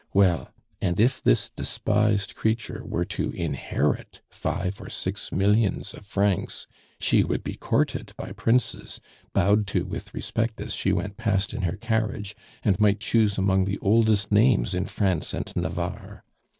Well, and if this despised creature were to inherit five or six millions of francs, she would be courted by princes, bowed to with respect as she went past in her carriage, and might choose among the oldest names in France and Navarre.